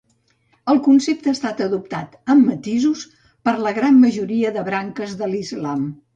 El concepte ha estat adoptat amb matisos per la gran majoria de branques de l'islam.